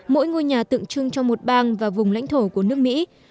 mỗi ngôi nhà tượng trưng cho một bang và vùng lãnh thổ của nước mỹ